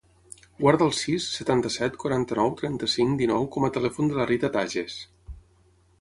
Guarda el sis, setanta-set, quaranta-nou, trenta-cinc, dinou com a telèfon de la Rita Tajes.